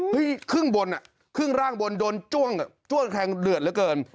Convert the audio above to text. ครึ่งบนอ่ะครึ่งร่างบนโดนจ้วงจ้วงแทงเดือดเหลือเกิน